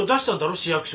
市役所に。